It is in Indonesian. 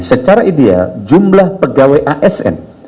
secara ideal jumlah pegawai asn